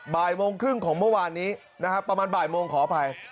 บ่ายโมงครึ่งของเมื่อวานนี้นะครับประมาณบ่ายโมงขออภัย